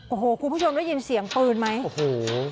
โอ้โหคุณผู้ชมได้ยินเสียงปืนไหมโอ้โห